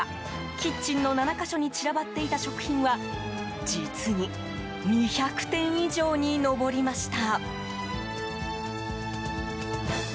キッチンの７か所に散らばっていた食品は実に２００点以上に上りました。